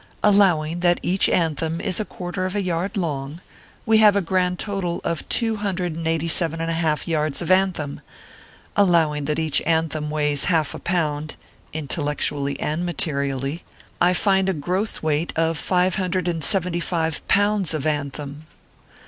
Allowing that each " anthem" is a quarter of a yard long, we have a grand total of two hundred and eighty seven and a half yards of "anthem" ; allowing that each " anthem" weighs half a pound (intellectually and materially), I find a gross weight of five hundred and seventy five pounds of "an them"